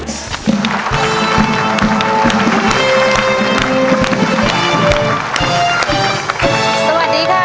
สวัสดีค่ะ